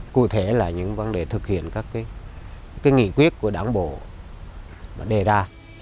cụ thể là những vấn đề thực hiện các nghị quyết của đảng bộ đã đề ra